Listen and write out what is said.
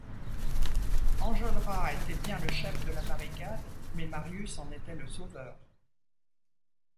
Enjolras était bien le chef de la barricade, mais Marius en était le sauveur.